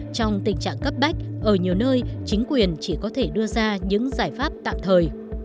trong tình trạng cấp bách ở nhiều nơi chính quyền chỉ có thể đưa ra những giải pháp tạm thời